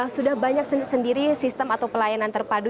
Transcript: sudah banyak sendiri sistem atau pelayanan terpadu